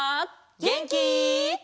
げんき？